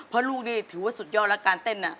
เพราะลูกนี่ถือว่าสุดยอดแล้วการเต้น